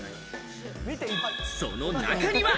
その中には。